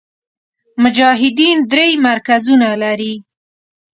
مجاهدین درې مرکزونه لري.